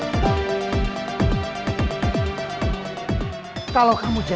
kalo kamu jentol kamu kasih tau apa yang terjadi